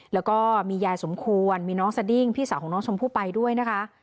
แล้วก็มียายสมควรมีน้องสดิ้งพี่สาวของน้องชมพู่ไปด้วยนะคะ